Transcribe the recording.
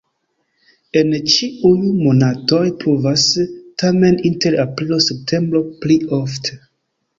En ĉiuj monatoj pluvas, tamen inter aprilo-septembro pli ofte.